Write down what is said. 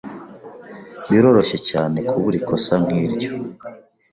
Biroroshye cyane kubura ikosa nkiryo.